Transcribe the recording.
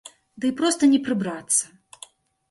Дый проста не прыбрацца.